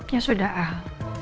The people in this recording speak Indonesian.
ya sudah al